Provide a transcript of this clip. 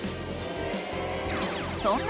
［そんな］